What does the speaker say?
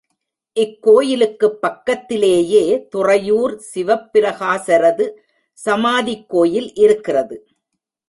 இக்கோயிலுக்குப் பக்கத்திலேயே துறையூர் சிவப்பிரகாசரது சமாதிக் கோயில் இருக்கிறது.